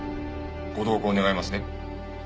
ご同行願えますね？